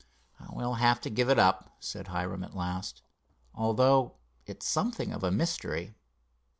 "We'll have to give it up," said Hiram at last, "although it's something of a mystery."